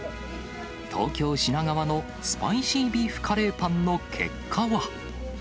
東京・品川のスパイシービーフカレーパンの結果は？